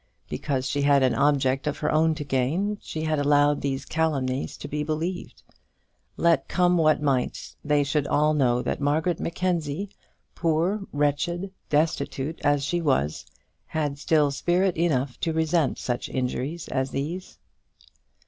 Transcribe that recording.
Because she had an object of her own to gain, she had allowed these calumnies to be believed! Let come what might, they should all know that Margaret Mackenzie, poor, wretched, destitute as she was, had still spirit enough to resent such injuries as these.